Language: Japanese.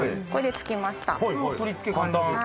これで付きました。